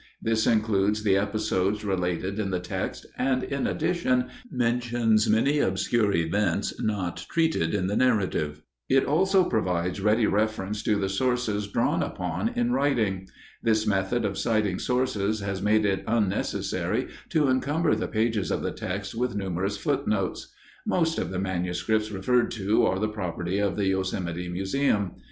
This includes the episodes related in the text and in addition mentions many obscure events not treated in the narrative. It also provides ready reference to the sources drawn upon in writing. This method of citing sources has made it unnecessary to encumber the pages of the text with numerous footnotes. Most of the manuscripts referred to are the property of the Yosemite Museum.